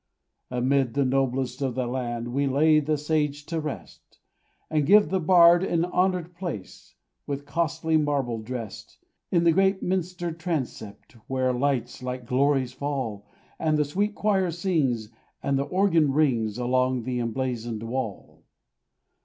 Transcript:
Amid the noblest of the land We lay the sage to rest, And give the bard an honoured place, With costly marble dressed, In the great minster transept Where lights like glories fall, And the sweet choir sings, and the organ rings Along the emblazoned wall.